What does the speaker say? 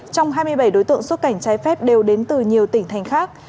trong hai mươi bảy đối tượng xuất cảnh trái phép đều đến từ nhiều tỉnh thành khác